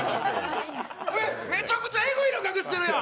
めちゃくちゃえぐいの隠してるやん！